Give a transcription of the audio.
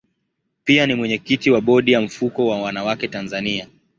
Pia ni mwenyekiti wa bodi ya mfuko wa wanawake Tanzania.